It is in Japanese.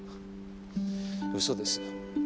嘘です。